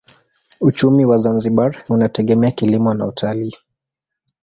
Uchumi wa Zanzibar unategemea kilimo na utalii.